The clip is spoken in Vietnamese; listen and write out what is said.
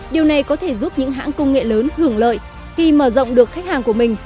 điều này có thể giúp những hãng công nghệ lớn hưởng lợi khi mở rộng được khách hàng của mình